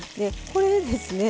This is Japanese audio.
これでですね